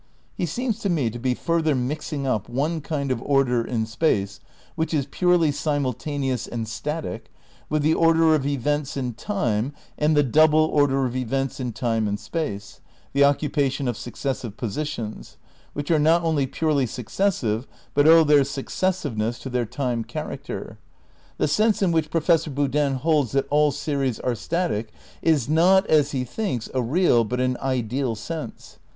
He seems to me to be further mixing up one kind of order in space, which is purely simultaneous and static, with the order of events in time and the double order of events in time and space — the occupation of successive positions — which are not only purely successive but owe their suc cessiveness to their time character. The sense in which Professor Boodin holds that all series are static is not, as he thinks, a real but an ideal sense.